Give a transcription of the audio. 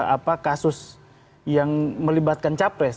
apa kasus yang melibatkan capres